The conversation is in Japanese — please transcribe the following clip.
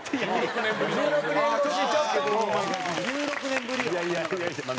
１６年ぶりよ。